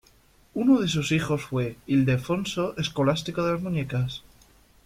Uno de sus hijos fue Ildefonso Escolástico de las Muñecas.